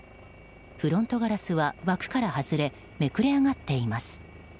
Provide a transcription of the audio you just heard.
フロントガラスは枠から外れめくれ上がっています。